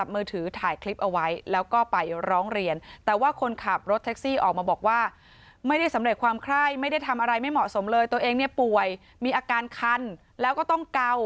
ไม่เหมาะสมเลยตัวเองเนี่ยป่วยมีอาการคันแล้วก็ต้องเก่า